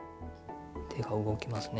手が動きますね。